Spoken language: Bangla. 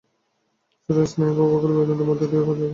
শরীরের স্নায়ুপ্রবাহগুলি মেরুদণ্ডের মধ্য দিয়া প্রবাহিত।